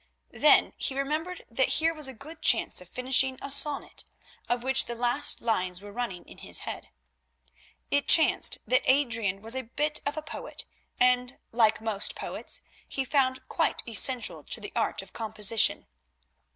Then he remembered that here was a good chance of finishing a sonnet, of which the last lines were running in his head. It chanced that Adrian was a bit of a poet, and, like most poets, he found quiet essential to the art of composition.